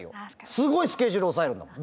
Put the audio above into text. すごいスケジュール押さえるんだもん。